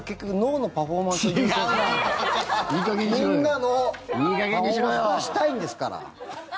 みんなのパフォーマンス出したいんですから。